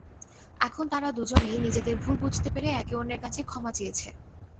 এখন তাঁরা দুজনেই নিজেদের ভুল বুঝতে পেরে একে অন্যের কাছে ক্ষমা চেয়েছে।